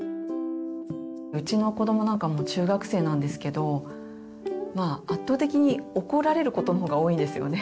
うちの子どもなんかもう中学生なんですけどまあ圧倒的に怒られることの方が多いんですよね。